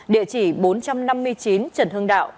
địa chỉ bốn trăm năm mươi chín trần hưng đạo